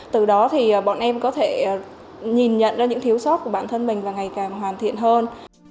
từ đó thì bọn em có thể nhìn nhận ra những thiếu sót của bản thân mình và ngày càng hoàn thiện hơn